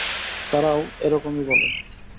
তারাও এরকম ই বলে!